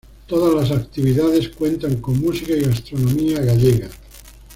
Todas las actividades cuentan con música y gastronomía gallega.